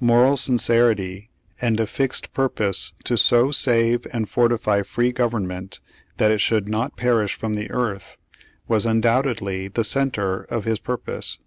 Moral sincerity, and a fixed purpose to so save and fortify free government that it should ''not perish from the earth," was undoubtedly the center of his purpose.